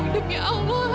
demi allah amira enggak ada